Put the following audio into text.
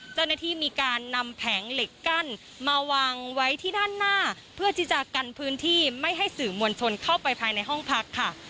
เจ้าหน้าที่มีการนำแผงเหล็กกั้นมาวางไว้ที่ด้านหน้าเพื่อที่จะกันพื้นที่ไม่ให้สื่อมวลชนเข้าไปภายในห้องพักค่ะ